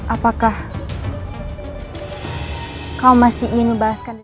apakah kau masih ingin membalaskan diri